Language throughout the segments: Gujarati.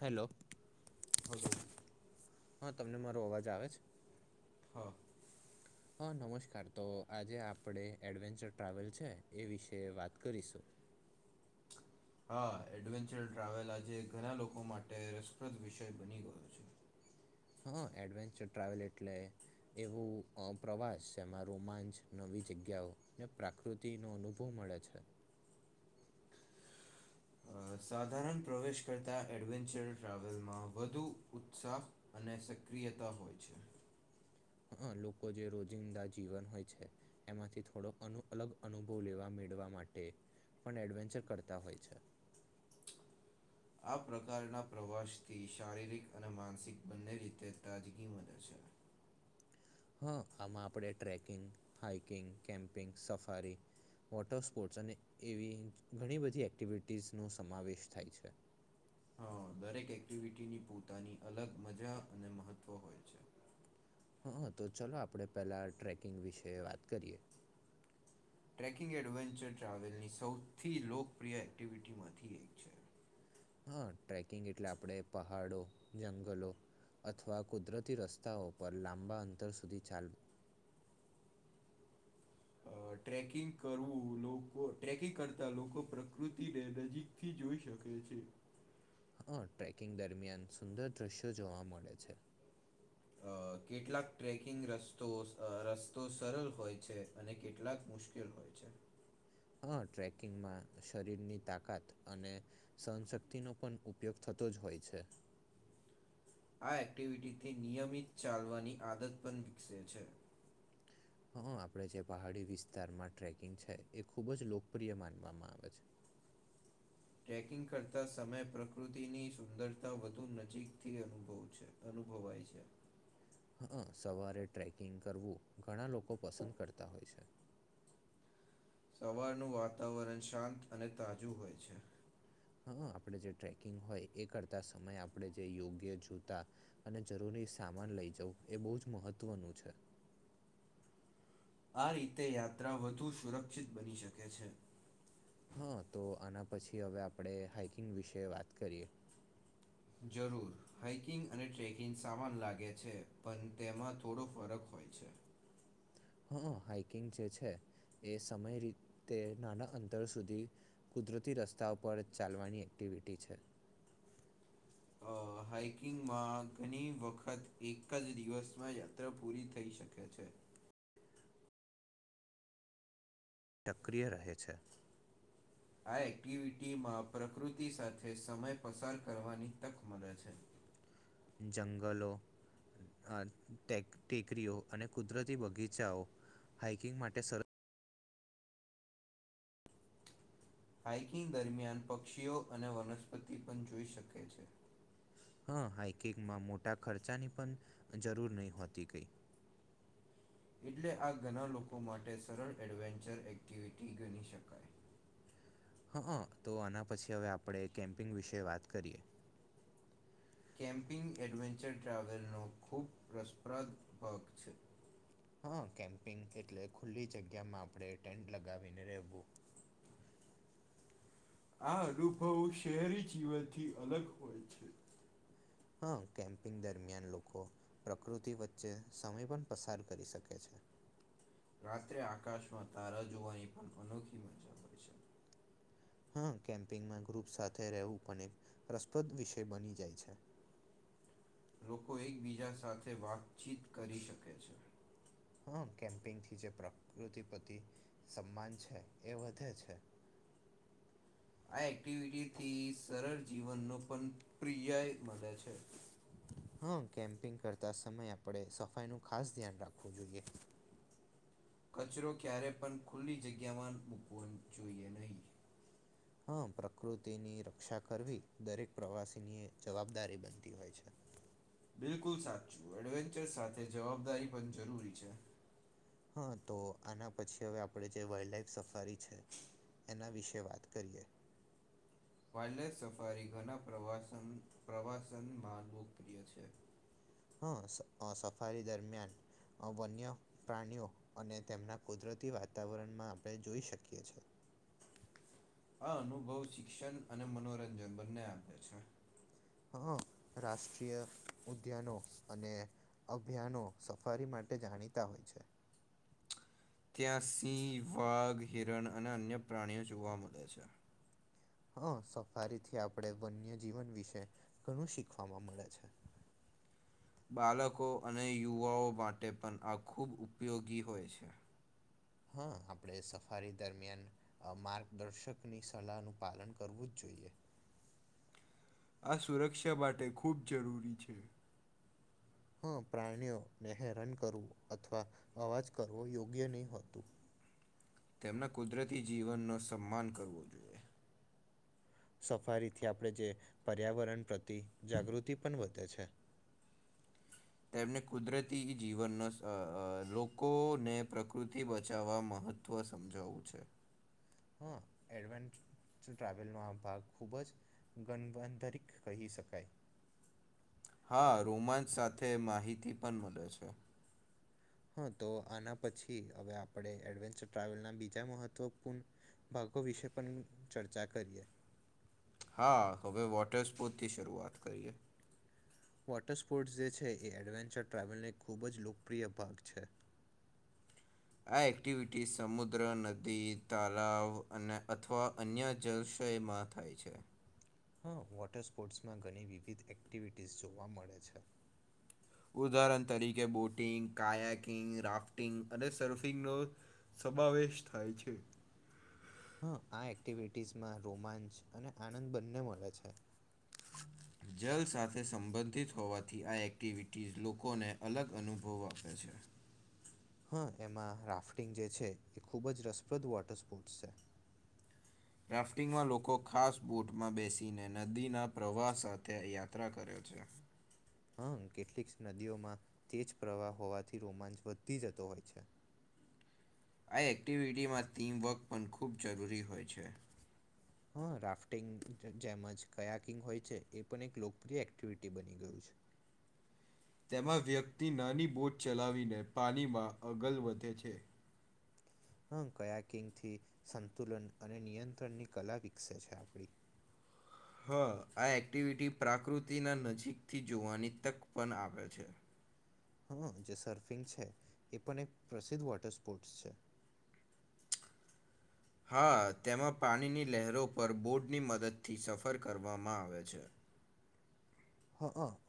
હેલો. હજો [unintelligible] હા, તમને મારો અવાજ આવે છે? હા હા, નમસ્કાર તો આજે આપણે એડવેન્ચર ટ્રાવેલ છે, એ વિશે વાત કરીશું. [unintelligible] હા, એડવેન્ચર ટ્રાવેલ આજે ઘણા લોકો માટે રસપ્રદ વિષય બની ગયો છે. હા, એડવેન્ચર ટ્રાવેલ એટલે એવું પ્રવાસ છે, માં રોમાંચ, નવી જગ્યાઓ અને પ્રાકૃતિ નું અનુભવ. મળે છે. સાધારણ પ્રવેશ કરતા એડવેન્ચર ટ્રાવેલમાં વધુ ઉત્સાહ અને અને સક્રિયતા હોય છે. હ, લોકો જે રોજિંદા જીવન હોય છે, એમાંથી થોડો અલગ- અલગ અનુભવ લેવા. ફરવા માટે એડવેન્ચર કરતા હોય છે. આ પ્રકારના પ્રવાસથી શારીરિક અને માનસિક બંને રીતે તાજગી બને છે. [unintelligible] હ, આમાં આપણે trekking, hiking, camping safari. Water sports અને એવી ઘણી બધી એક્ટિવિટીઝ નો સમાવેશ થાય છે. [unintelligible] હા દરેક એક્ટિવિટીની પોતાની અલગ મજા અને મહત્ત્વ હોય છે. હા, તો ચલો, આપણેે પહેલા ટ્રેકિંગ વિશે વાત કરીએ. ટ્રેકિંગ એડવેન્ચર ટ્રાવેલની સૌથી લોકપ્રિય એક્ટિવિટીમાંથી એક છે. હા, ટ્રેકિંગ એટલે આપણેે પહાડો, જંગલો. અથવા કુદરતી રસ્તાઓ પર લાંબા અંતર સુધી ચાલ અ [unintelligible] ટ્રેકિંગ કરવું લોકો ટ્રેકિંગ કરતા લોકો પ્રકૃતિને નજીકથી જોઈ શકે છે. હા, ટ્રેકિંગ દરમિયાન સુંદર દ્રશ્યો જોવા મળે છે. અ કેટલાક ટ્રેકિંગ રસ્તો અહ રસ્તો સરલ હોય છે અને કેટલાક મુશ્કેલ હોય છે. હા, ટ્રેકિંગમાં શરીરની તાકાત અને સહનશક્તિ નો પણ ઉપયોગ થતો જ હોય છે. આ એક્ટિવિટીથી નિયમિત ચાલવાની આદત પણ વિકસે છે. હા, આપડે જે પહાડી વિસ્તારમાં ટ્રેકિંગ છે, એ ખૂબ જ લોકપ્રિય માનવામાં આવે છે. [unintelligible] ટ્રેકિંગ કરતા સમય પ્રકૃતિની સુંદરતા વધુ નજીકથી અનુભવ છે અનુભવાય. છે. [unintelligible] હા અહ સવારે ટ્રેકિંગ કરવું ઘણા લોકો પસંદ કરતા હોય છે. [unintelligible] સવારનું વાતાવરણ શાંત અને તાજું હોય છે. હમ્મ, આપણે જે ટ્રેકિંગ હોય એ કરતા સમય આપણે જે યોગ્ય જોતા અને જરૂરી સામાન લઈ જઉં એ બહુજ મહત્વનું છે. આ રીતે યાત્રા વધુ સુરક્ષિત બની શકે છે. હા, તો આના પછી હવે આપણે હાઈકિંગ વિશે વાત કરીએ. જરૂર હાાઈકિંગ અને ટ્રેકિંગ સામાન લાગે છે પણ તેમાં થોડો ફરક હોય છે હા, હાઈકિંગ જે છે એ સમય રીતે નાના અંતર સુધી કુદરતી રસ્તા પર ચાલવાની એક્ટ વીટી છે. અ હાઇકિંગમાં ઘણી વખત એક જ દિવસમાં યાત્રા પૂરી થઈ શકે છે. [unintelligible] સક્રિય રહે છે. આ એક્ટિવિટીમાં પ્રકૃતિ સાથે સમય પસાર કરવાની તક મળે છે. જંગલો અહ ટેક-ટેકરીઓ અને કુદરતી બગીચાઓ હાઇકિંગ માટે સર હાઇકિંગ દરમિયાન પક્ષીઓ અને વનસ્પતિ પણ જોઈ શકે છે. હા, હાાઈકિંગમાં મોટા ખર્ચાની પણ જરૂર નહી હોતી કઈ. [unintelligible] એટલે આ ઘણા લોકો માટે સરળ એડવેન્ચર એક્ટિવિટી ગણી શકાય. હ હા અહ તો આના પછી હવે આપણે કેમ્પિંગ વિશે વાત કરીએ. કેમ્પિંગ એડવેન્ચર ટ્રાવેલનો ખૂબ રસપ્રદ ભગ છે. હા, કેમ્પિંગ એટલે ખુલ્લી જગ્યામાં આપણે ટેન્ટ લગાવીને રહેવું. આ અનુભવો શહેરી જીવનથી અલગ હોય છે. હા, કેમ્પિંગ દરમિયાન લોકો પ્રકૃતિ વચ્ચે સમય પણ પસાર કરી શકે છે. રાત્રે આકાશમાં તારા જોવાની પણ અનોખી મજા હોય છે. હા, કેમ્પિંગમાં ગ્રુપ સાથે રહેવું પણ એક રસપ્રદ વિષય બની જાય છે. લોકો એકબીજા સાથે વાતચીત કરી શકે છે. હા, કેમ્પિંગ થી જે પ્રકૃતિ પ્રતિ સમ્માન છે એ વધે છે. આ એક્ટિવિટીથી સરળ જીવનનો પણ પ્રિયય મલે છે. હા કેમ્પિંગ કરતા સમય આપણે સફાઈનું ખાસ ધ્યાન રાખવું જોઈએ કચરો ક્યારે પણ ખુલ્લી જગ્યામાં મૂકવો જોઈએ નહીં હા પ્રકૃતિની રક્ષા કરવી દરેક પ્રવાસી ની જવાબદારી બનતી હોય છે. [inaudible] બિલકુલ સાચું એડવેન્ચર સાથે જવાબદારી પણ જરૂરી છે. હા તો આના પછી હવે આપણે જે વાઈલ્ડ લાઈફ સફારી છે. એના વિશે વાત કરીએ. વાઇલ્ડલાઇફ સફારી ઘણા પ્રસન પ્રવાસનમાં લોકપ્રિય છે. હા સફારી દરમિયાન વન્ય પ્રાણીઓ અને તેમના કુદરતી વાતાવરણમાં આપણે જોઈ શકીએ છે. [inaudible] આ અનુભવ શિક્ષણ અને મનોરંજન બંને આપે છે. હ રાષ્ટ્રીય ઉદ્યાનો અને અભિયાનો સફારી માટે જાણીતા હોય છે. ત્યાં સિંહ વાઘ હિરણ અને અન્ય પ્રાણીઓ જોવા મળે છે. હા સફારી થી આપણે વન્ય જીવન વિશે ઘણું શીખવાવામાં મળે છે. [inaudible] બાળકો અને યુવાઓ માટે પણ આ ખૂબ ઉપયોગી હોય છે. હા આપડે સફારી દરમિયાન માર્ગદર્શક ની સલાહ નું પાલન કરવું જ જોઈએ. [unintelligible] આ સુરક્ષા માટે ખૂબ જરૂરી છે. હ પ્રાણીઓને હેરાન કરવું અથવા અવાજ કરવો યોગ્ય નહીં હોતું. તેમના કુદરતી જીવનનો સન્માન કરવો જોઈએ. સફારીથી આપણે જે પર્યાવરણ પ્રતિ જાગૃતિ પણ વધે છે. [inaudible] તેમને કુદરતી જીવનનો લોકોને પ્રકૃતિ બચાવવામાં મહત્ત્વ સમજાવું છે. હા એડવેચ ર ટ્રાવેલનો આ ભાગ ખૂબ જ ગવંતરિત કહી શકાય. હા રોમાંચ સાથે માહિતી પણ મળે છે. હા તો આના પછી હવે આપણે એડવેન્ચર ટ્રાવેલ ના બીજા મહત્વપૂર્ણ ભાગ આ વિશે પણ ચર્ચા કરીએ. હા હવે વોટર સ્પોર્ટથી શરૂઆત કરીએ. વોટર સ્પોર્ટ્સ જે છે એ એડવેન્ચર ટ્રાવેલને ખૂબ જ લોકપ્રિય ભાગ છે. [inaudible] આ એક્ટિવિટી સમુદ્ર નદી તલાવ અને અથવા અન્ય જલ ક્ષયમાં થાય છે. હા વોટર સ્પોર્ટ્સમાં ઘણી વિવિધ એક્ટિવિટીઝ જોવા મળે છે. ઉદાહરણ તરીકે બોટિંગ કયાકિંગ રાફ્ટિંગ અને સર્ફિંગનો સમાવેશ થાય છે. હા આ એક્ટિવિટીસમાં રોમાંચ અને આનંદ બંને મળે છે. જલ સાથે સંબંધિત હોવાથી આ એક્ટિવિટીઝ લોકોને અલગ અનુભવો આપે છે. [inaudible] હા એમાં રાફ્ટિંગ જે છે એ ખૂબ જ રસપ્રદ વોટર સ્પોર્ટસ છે. રાફ્ટિંગમાં લોકો ખાસ બૂટમાં બેસીને નદીના પ્રવાહ સાથે યાત્રા કરે છે. [inaudible] હમ્મ કેટલીક નદીઓમાં તેજ પ્રવાહ હોવાથી રોમાંચ વધી જતો હોય છે. [inaudible] આ એક્ટિવિટીમાં ટીમવર્ક પણ ખૂબ જરૂરી હોય છે. હ રાફ્ટિંગ જેજ કયાકિંગ હોય છે એ પણ એક લોકપ્રિય એક્ટિવિટી બની ગયું છે. તેમાં વ્યક્તિ નાની બોટ ચલાવીને પાણીમાં અગલ વધે છે. હમ્મ કયા કિંગથી સંતુલન અને નિયંત્રણની કલા વિકસે છે. હ આ એક્ટિવિટી પ્રાકૃતિના નજીકથી જોવાની તક પણ આપે છે. હ જે સર્ફિંગ છે એ પણ એક પ્રસિદ્ધ વોટર સ્પોર્ટ્સ છે. હા તેમાં પાણીની લહેરો પર બોર્ડની મદદથી સફર કરવામાં આવે છે. હ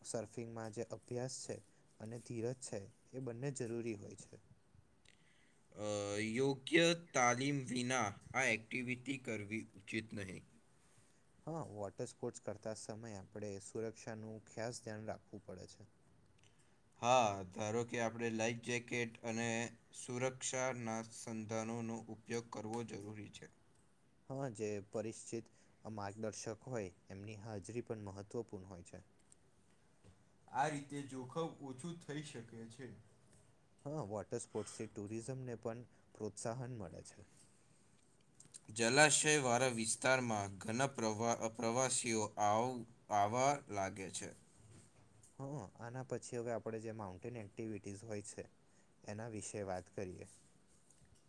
સર્ફિંગમાં જે અભ્યાસ છે અને ધીરજ છે એ બંને જરૂરી હોય છે. છે. અ યોગ્ય તાલીમ વિના આ એક્ટિવિટી કરવી ઉચિત નહીં. હા, વોટર સ્પોર્ટસ કરતા સમયે આપણે સુરક્ષાનું ખાસ ધ્યાન રાખવું પડે છે. હા ધારો કે આપણે લાઈફ જેકેટ અને સુરક્ષાના સંંધાનોનું ઉપયોગ કરવો જરૂરી છે. હ જે પરિચ્ચિત માર્ગદર્શક હોય એમની હાજરી પણ મહત્વપૂર્ણ હોય છે. આ રીતે જોખમ ઓછું થઈ શકે છે. હ વોટર સ્પોર્ટ્સથી ટુરિઝમને પણ પ્રોત્સાહન મળે છે. જલાશયવાળા વિસ્તારમાં ઘણા પ્ર પ્રવાસીઓ આવ આવવા વા લાગે છે. હ આના પછી હવે આપણે જે માઉન્ટેન એક્ટિવિટીઝ હોય છે એના વિશે વાત કરીએ.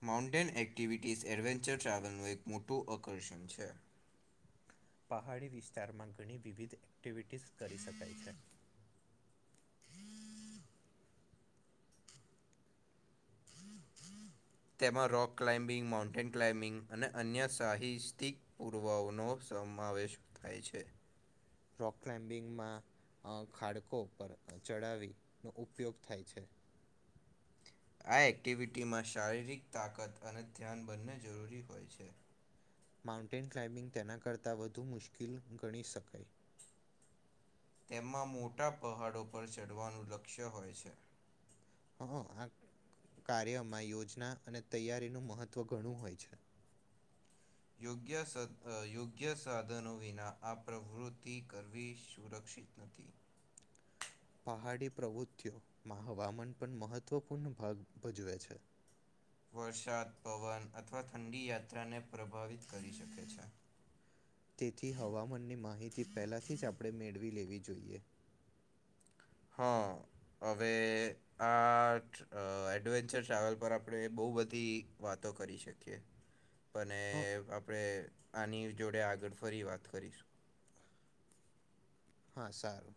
માઉન્ટેન એક્ટિવિટીઝ એડવેન્ચર ટ્રાવેલનું એક મોટું અકર્ષણ છે. પહાડી વિસ્તારમાં ઘણી વિવિધ એક્ટિવિટીઝ કરી શકાય છે. તેમાં રોક ક્લાઇમ્બિંગ, માઉન્ટેન ક્લાઇમ્બિંગ અને અન્ય સાહિત્યિક પુર્વાઓનો કમ આવેેશ થાય છે. રોક ક્લામ્બિંગમાં અ ખાડકો પર ચડાવીનો ઉપયોગ થાય છે આ એક્ટિવિટીમાં શારીરિક તાકાત અને ધ્યાન બંને જરૂરી હોય છે. માઉન્ટેન ક્લાઇમ્બિંગ તેના કરતાં વધુ મુશ્કીલ ગણી શકાય. તેમાં મોટા પહાડો પર ચઢવાનું લક્ષ્ય હોય છે. હ આ કાર્યમાં યોજના અને તૈયારીનું મહત્વ ઘણું હોય છે. યોગ્ય યોગ્ય સાધનો વિના આ પ્રવૃતિ કરવી સુરક્ ક્ષિત નથી. પહાડી પ્રવૃત્તિઓમાં હવામાન પણ મહત્વપૂર્ણ ભાગ ભજવે છે. વરસાદ, પવન અથવા ઠંડી યાત્રાને પ્રભાવિત કરી શકે છે. હ તેથી હવામાનની માહિતી પહેલાથી જ આપણે મેળવી લેવી જોઈએ. હ. હવે આ એડવેન્ચર ટ્રાવેલ પર આપણે બહુ બધી વાતો તો કરી શકીએ. અને હં આપણે આની જોડે આગળ ફરી વાત કરીશું. હા સારું.